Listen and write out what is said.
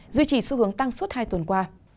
duy trì xu hướng tăng suốt hai tuần qua